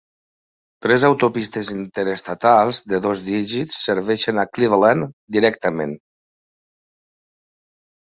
Tres autopistes interestatals de dos dígits serveixen a Cleveland directament.